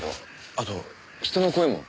あと人の声も。